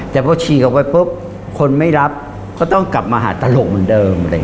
แต่พอชีไปคนไม่รับก็ต้องกลับมาหาตลกเหมือนเดิม